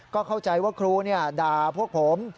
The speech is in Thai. ก็เข้าใจว่าครูด่าพวกผม